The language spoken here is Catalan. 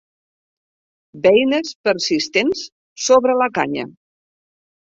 Beines persistents sobre la canya.